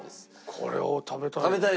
これは食べたい。